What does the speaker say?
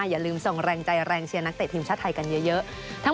อย่าลืมส่งแรงใจแรงเชียร์นักเตะทีมชาติไทยกันเยอะ